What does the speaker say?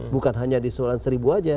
bukan hanya di soalan seribu saja